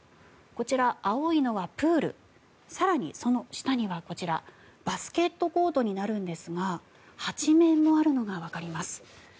こちら、青いのはプール更にその下にはバスケットコートになるんですが８面もあるのがわかります。